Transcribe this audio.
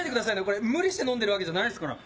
これ無理して飲んでるわけじゃないですから。